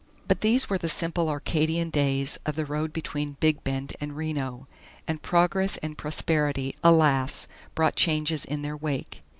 But these were the simple Arcadian days of the road between Big Bend and Reno, and progress and prosperity, alas! brought changes in their wake.